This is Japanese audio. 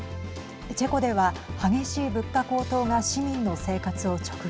チェコでは、激しい物価高騰が市民の生活を直撃。